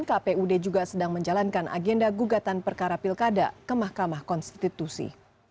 kpud juga sedang menjalankan agenda gugatan perkara pilkada ke mahkamah konstitusi